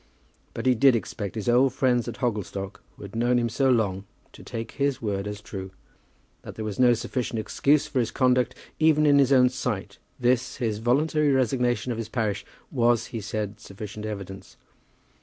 But he did expect his old friends at Hogglestock, who had known him so long, to take his word as true. That there was no sufficient excuse for his conduct, even in his own sight, this, his voluntary resignation of his parish, was, he said, sufficient evidence.